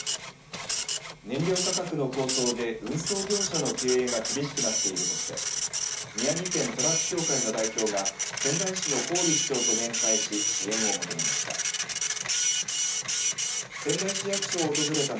燃料価格の高騰で運送業者の経営が厳しくなっているとして宮城県トラック協会の代表が仙台市の郡市長と面会し支援を求めました。